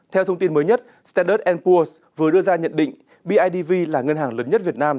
theo thông tin mới nhất standard enpurs vừa đưa ra nhận định bidv là ngân hàng lớn nhất việt nam